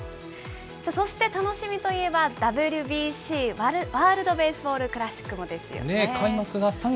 そして楽しみといえば、ＷＢＣ・ワールドベースボールクラシック開幕が３月？